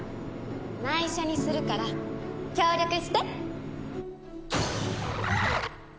内緒にするから協力して。